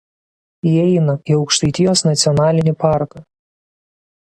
Įeina į Aukštaitijos nacionalinį parką.